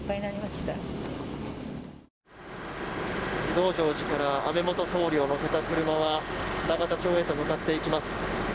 増上寺から安倍元総理を乗せた車は永田町へと向かっていきます。